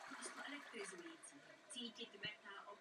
Panující kníže zde přijímá oficiální návštěvy.